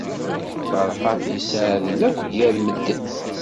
Feṛḥat yesseɛdel akk gar medden.